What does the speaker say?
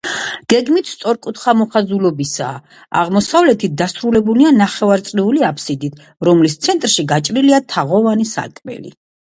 გეგმით სწორკუთხა მოხაზულობისაა, აღმოსავლეთით დასრულებულია ნახევარწრიული აბსიდით, რომლის ცენტრში გაჭრილია თაღოვანი სარკმელი.